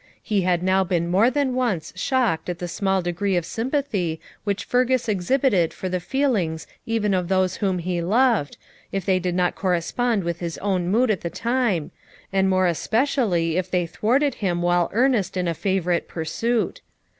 He had now been more than once shocked at the small degree of sympathy which Fergus exhibited for the feelings even of those whom he loved, if they did not correspond with his own mood at the time, and more especially if they thwarted him while earnest in a favourite pursuit.